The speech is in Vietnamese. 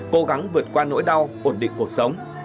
cố gắng vượt qua nỗi đau ổn định cuộc sống